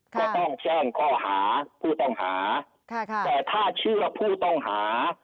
จะต้องแจ้งข้อหาผู้ต้องหาแต่ถ้าเชื่อผู้ต้องหา